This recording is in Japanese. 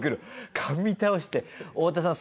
噛み倒して太田さん